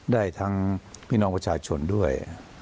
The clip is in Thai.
ได้ทั้งพี่น้องประชาชนด้วย